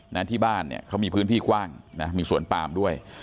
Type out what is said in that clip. นั้นที่บ้านเขามีพื้นที่กว้างมีสวนปาล์มด้วย